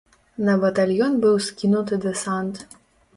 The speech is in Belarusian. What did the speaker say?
На батальён быў скінуты дэсант.